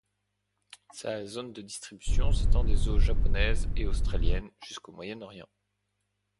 Sa zone de distribution s'étend des eaux japonaises et australiennes jusqu'au Moyen-Orient.